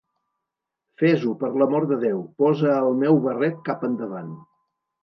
Fes-ho, per l"amor de Déu, posa el meu barret cap endavant.